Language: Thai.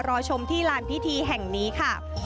รอชมที่ลานพิธีแห่งนี้ค่ะ